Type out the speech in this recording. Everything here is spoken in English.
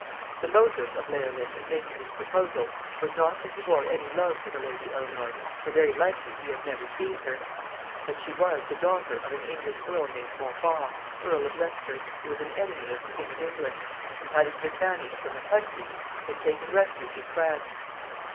The motive of Leolin in making this proposal was not that he bore any love for the Lady Eleanor, for very likely he had never seen her; but she was the daughter of an English earl named Montfort, Earl of Leicester, who was an enemy of the King of England, and, having been banished from the country, had taken refuge in France.